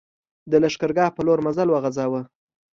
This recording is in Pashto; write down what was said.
د لښکرګاه پر لور مزل وغځاوه.